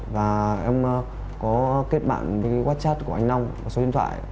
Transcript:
và em có kết bạn với whatchat của anh long một số điện thoại